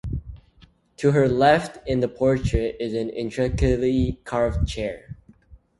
To her left in the portrait is an intricately carved chair.